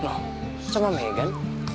noh cuma megan